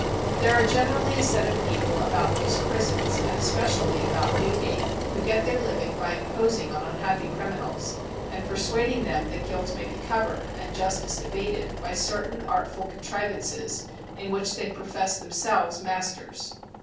There are generally a set of people about most prisons, and especially about Newgate, who get their living by imposing on unhappy criminals, and persuading them that guilt may be covered, and Justice evaded by certain artful contrivances in which they profess themselves masters.